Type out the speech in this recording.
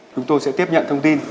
chúng tôi sẽ tiếp nhận thông tin